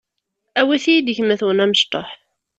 awit-iyi-d gma-twen amecṭuḥ.